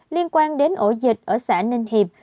liên quan đến ổ dịch ở xã ninh hiệp